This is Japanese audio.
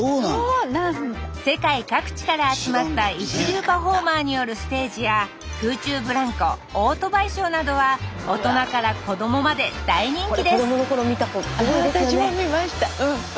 世界各地から集まった一流パフォーマーによるステージや空中ブランコオートバイショーなどは大人から子供まで大人気ですこれ子供の頃見た子多いですよね。